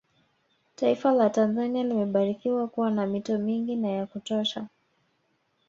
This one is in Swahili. Taifa la Tanzania limebarikiwa kuwa na mito mingi na ya kutosha